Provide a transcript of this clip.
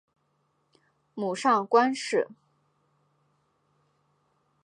母上官氏。